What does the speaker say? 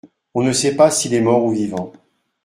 On ne sait pas s’il est mort ou vivant.